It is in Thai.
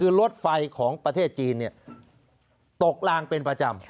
คือรถไฟของประเทศจีนตกลางเป็นประจำ